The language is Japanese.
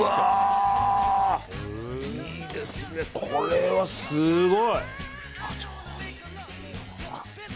これはすごい。